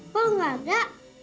kok nggak ada